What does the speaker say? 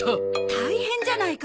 大変じゃないか。